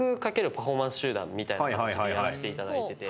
パフォーマンス集団みたいな感じでやらせていただいてて。